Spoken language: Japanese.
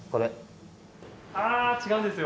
あー違うんですよ